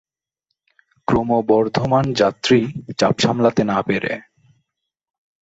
ক্রমবর্ধমান যাত্রী চাপ সামলাতে না পেরে।